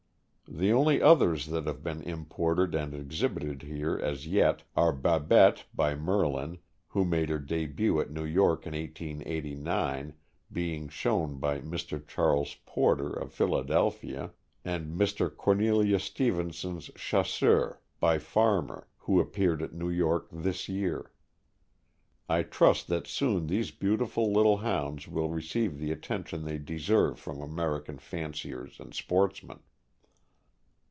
The only others that have been imported and exhibited here, as yet, are Babette, by Merlin, who made her debut at New York in 1889, being shown by Mr. Charles Porter, of Philadelphia, and Mr. Cornelius Stevenson's Chasseur, by Farmer, who appeared at New York this year. I trust that soon these beautiful little Hounds will receive the attention they deserve from American fanciers and sportsmen.